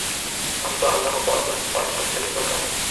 আমি তো আল্লাহ্ পরাক্রমশালী, প্রজ্ঞাময়।